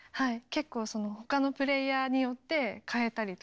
結構他のプレイヤーによって変えたりとか。